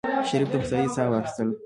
شريف د هوسايۍ سا واخيستله.